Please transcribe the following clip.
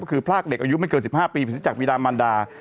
ก็คือพรากเด็กอายุไม่เกิน๑๕ปีจากบีดามันดา